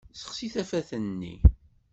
Sexsi tafat-nni!